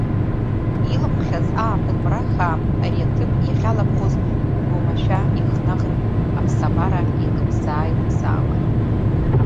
Илаҟәхьаз ааԥын мрахаа ари аҭыԥ иахьалаԥхоз угәы омашәа ихнахыртә аԥсабара еилыбзаа-еилыбзаауан.